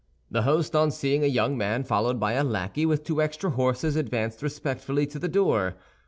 The host, on seeing a young man followed by a lackey with two extra horses, advanced respectfully to the door.